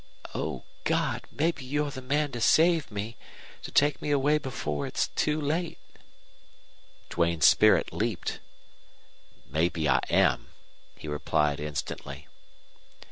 "O God! Maybe you're the man to save me to take me away before it's too late." Duane's spirit leaped. "Maybe I am," he replied, instantly.